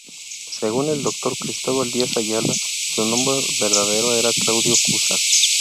Según el Dr. Cristóbal Díaz Ayala, su nombre verdadero era Claudio Cuza.